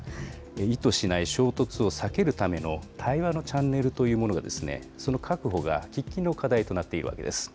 意図しない衝突を避けるための対話のチャンネルというものが、その確保が喫緊の課題となっているわけなんです。